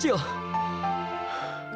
tidak si tangsu